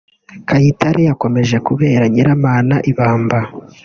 Kayitare yakomeje kubera Nyiramana ibamba